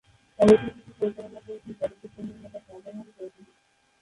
চলচ্চিত্রটি পরিচালনা করেছেন চলচ্চিত্র নির্মাতা শাহজাহান চৌধুরী।